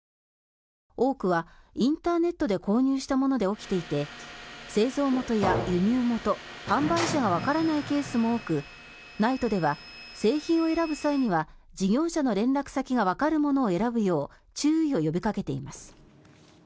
多くはインターネットで購入したもので起きていて製造元や輸入元販売者がわからないケースも多くＮＩＴＥでは製品を選ぶ際には事業者の連絡先がわかるものを選ぶよう注意を呼びかけています。